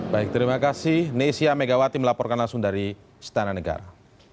baik terima kasih nesia megawati melaporkan langsung dari setananegara